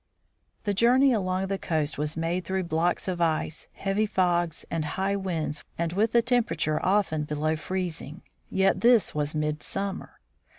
The journey along the coast was made through blocks of ice, heavy fogs, and high winds, with a temperature often below freezing. Yet this was midsummer!